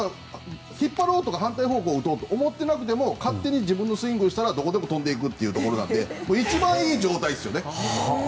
引っ張ろうとか反対方向に打とうとか思ってなくても勝手に自分のスイングをしたらどこでも飛んでいくので一番いい状態ですね。